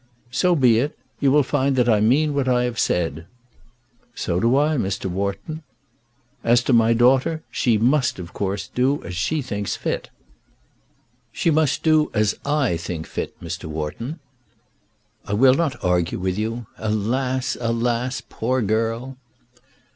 "So be it. You will find that I mean what I have said." "So do I, Mr. Wharton." "As to my daughter, she must, of course, do as she thinks fit." "She must do as I think fit, Mr. Wharton." "I will not argue with you. Alas, alas; poor girl!"